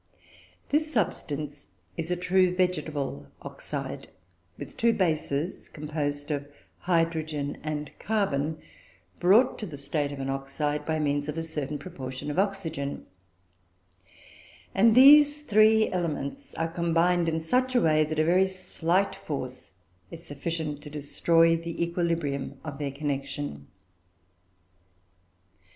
This substance is a true vegetable oxyd, with two bases, composed of hydrogen and carbon, brought to the state of an oxyd by means of a certain proportion of oxygen; and these three elements are combined in such a way that a very slight force is sufficient to destroy the equilibrium of their connection."